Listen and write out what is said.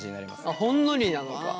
あっほんのりなのか。